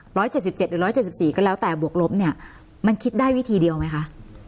๑๗๗หรือ๑๗๔ก็แล้วแต่บวกลบเนี่ยมันคิดได้วิธีเดียวไหมคะ